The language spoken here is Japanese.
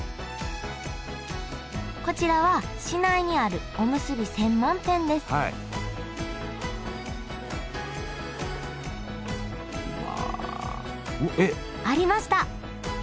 こちらは市内にあるおむすび専門店ですありました！